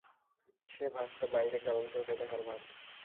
সে ভাগ তো বাইরে, কেবল চোখে দেখার ভাগ।